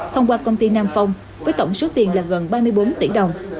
thông qua công ty nam phong với tổng số tiền là gần ba mươi bốn tỷ đồng